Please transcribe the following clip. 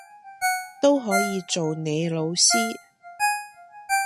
都可以做你老師